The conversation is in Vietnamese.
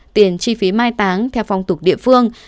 tiền chi phí mai táng theo phong tục địa phương